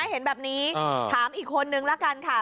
เห็นแบบนี้ถามอีกคนนึงละกันค่ะ